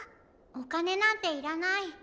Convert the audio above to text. おかねなんていらない。